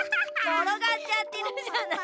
ころがっちゃってるじゃない。